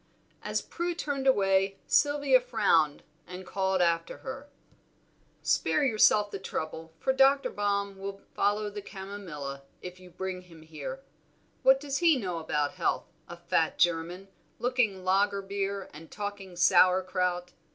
As Prue turned away, Sylvia frowned and called after her "Spare yourself the trouble, for Dr. Baum will follow the chamomilla, if you bring him here. What does he know about health, a fat German, looking lager beer and talking sauer kraut?